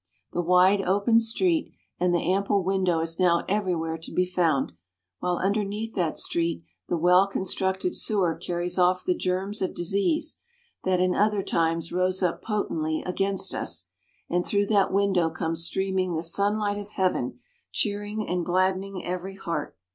The wide, open street and the ample window is now everywhere to be found, while underneath that street the well constructed sewer carries off the germs of disease that in other times rose up potently amongst us, and through that window comes streaming the sunlight of heaven, cheering and gladdening every heart.